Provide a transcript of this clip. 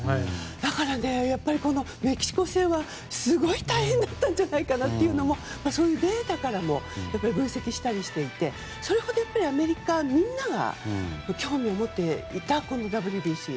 だから、メキシコ戦はすごい大変だったんじゃないかなというのもそういうデータからも分析したりしていてそれほど、みんなが興味を持っていたＷＢＣ。